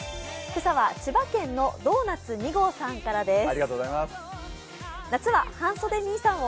今朝は千葉県のドーナツ２号さんからです。